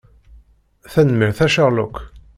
Tanemmirt a Sherlock!